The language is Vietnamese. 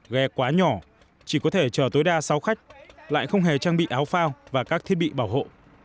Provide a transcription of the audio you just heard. ghe quá nhỏ chỉ có thể chở tối đa sáu khách lại không hề trang bị áo phao và các thiết bị bảo hộ